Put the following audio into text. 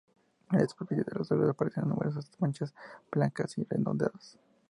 En la superficie de las hojas aparecen numerosas manchas blancas y redondeadas.